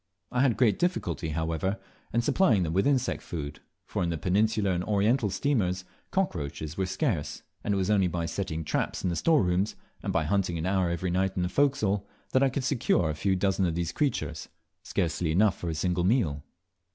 I had great difficulty, however, in supplying them with insect food, for in the Peninsular and Oriental steamers cockroaches were scarce, and it was only by setting traps in the store rooms, and by hunting an hour every night in the forecastle, that I could secure a few dozen of these creatures, scarcely enough for a single meal.